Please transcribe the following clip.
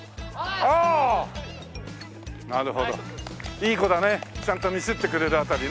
いい子だねちゃんとミスってくれる辺りね。